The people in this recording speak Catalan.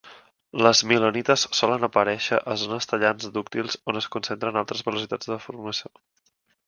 Les milonites solen aparèixer a zones tallants dúctils on es concentren altes velocitats de deformació.